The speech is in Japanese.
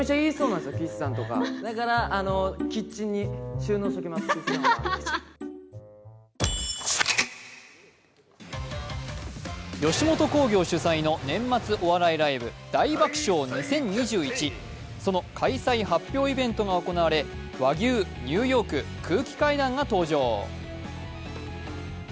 その理由は吉本興業主催の年末お笑いライブ、その開催発表イベントが行われ、和牛、ニューヨーク、空気階段が登場。